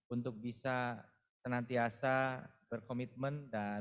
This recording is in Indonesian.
untuk bisa senantiasa berkomitmen dan